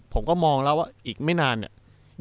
ผมก็มองแล้วว่าอีกไม่นานเนี่ย